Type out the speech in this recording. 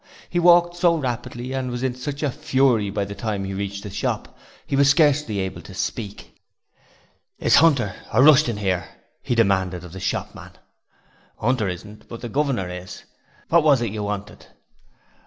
He walked so rapidly and was in such a fury that by the time he reached the shop he was scarcely able to speak. 'Is Hunter or Rushton here?' he demanded of the shopman. 'Hunter isn't, but the guv'nor is. What was it you wanted?'